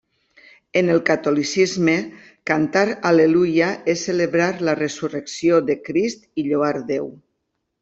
En el catolicisme cantar al·leluia és celebrar la resurrecció de Crist i lloar Déu.